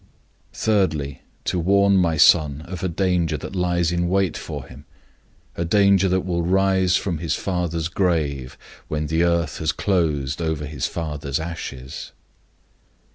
Thirdly, to warn my son of a danger that lies in wait for him a danger that will rise from his father's grave when the earth has closed over his father's ashes.